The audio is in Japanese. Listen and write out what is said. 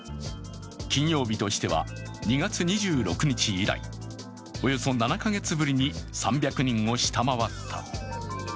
金曜日としては２月２６日以来およそ７カ月ぶりに３００人を下回った。